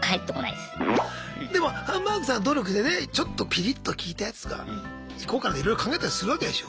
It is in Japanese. でもハンバーグさん努力してねちょっとピリッと利いたやつとかいこうかなとかいろいろ考えたりするわけでしょ？